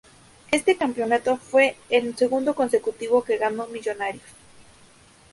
Este campeonato fue el segundo consecutivo que ganó Millonarios.